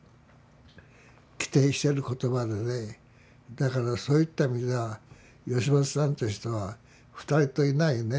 だからそういった意味では吉本さんという人は二人といないね